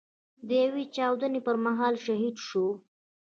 د يوې چاودنې پر مهال شهيد شو.